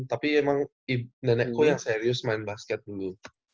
tapi emang nenekku yang serius main basket dulu